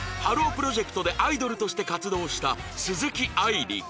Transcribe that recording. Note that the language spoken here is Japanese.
プロジェクトでアイドルとして活動した鈴木愛理